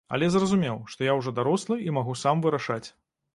Але зразумеў, што я ўжо дарослы і магу сам вырашаць.